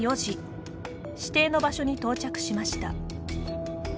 指定の場所に到着しました。